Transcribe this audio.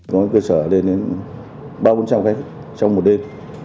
có cơ sở lên đến ba bốn trăm linh khách trong một đêm